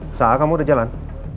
elsa kamu udah jalan